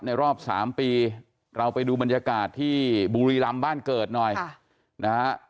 รอบ๓ปีเราไปดูบรรยากาศที่บุรีรำบ้านเกิดหน่อยนะฮะ